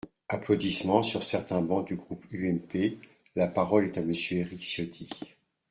(Applaudissements sur certains bancs du groupe UMP.) La parole est à Monsieur Éric Ciotti.